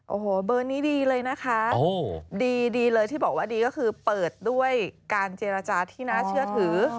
โอ้โหเบอร์นี้ดีเลยนะคะดีเลยที่บอกว่าดีก็คือเปิดด้วยการเจรจาที่น่าเชื่อถือ